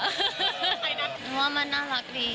ผมว่ามันน่ารักดี